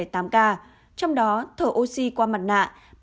trong đó thở oxy qua mặt nạ ba tám trăm năm mươi năm